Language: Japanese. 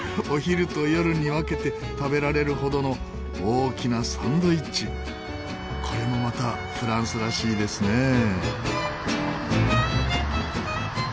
お昼と夜に分けて食べられるほどの大きなサンドイッチこれもまたフランスらしいですね。